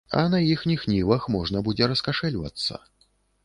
А на іхніх нівах можна будзе раскашэльвацца.